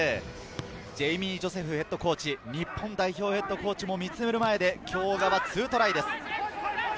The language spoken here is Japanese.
ジェイミー・ジョセフヘッドコーチ、日本代表ヘッドコーチも見つめる前で今日、小川は２トライです。